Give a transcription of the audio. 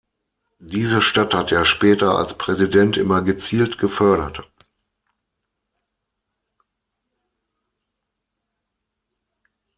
Diese Stadt hat er später als Präsident immer gezielt gefördert.